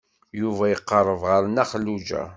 Yuba iqerreb ɣer Nna Xelluǧa.